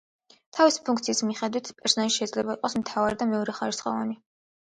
თავისი ფუნქციის მიხედვით პერსონაჟი შეიძლება იყოს მთავარი და მეორეხარისხოვანი.